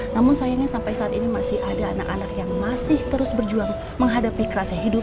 namun sayangnya sampai saat ini masih ada anak anak yang masih terus berjuang menghadapi kerasa hidup